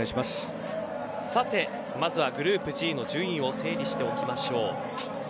さて、まずはグループＧの順位を整理しておきましょう。